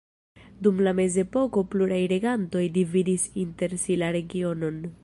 Dum la mezepoko pluraj regantoj dividis inter si la regionon.